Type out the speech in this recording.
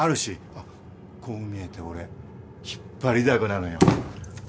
こう見えて俺引っ張りだこなのよ。